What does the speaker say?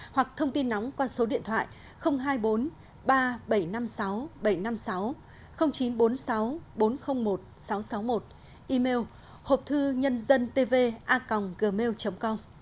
hoặc thông tin nóng qua số điện thoại hai mươi bốn ba nghìn bảy trăm năm mươi sáu bảy trăm năm mươi sáu chín trăm bốn mươi sáu bốn trăm linh một sáu trăm sáu mươi một email hộp thư nhân dân tvacomgmail com